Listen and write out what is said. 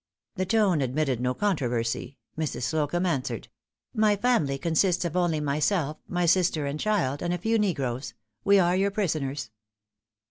The tone admitted no controversy. Mrs. Slocumb answered: "My family consists of only myself, my sister and child, and a few negroes. We are your prisoners."